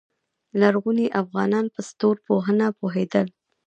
لرغوني افغانان په ستورپوهنه پوهیدل